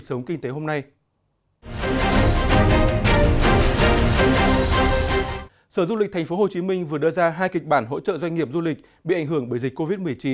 sở du lịch tp hcm vừa đưa ra hai kịch bản hỗ trợ doanh nghiệp du lịch bị ảnh hưởng bởi dịch covid một mươi chín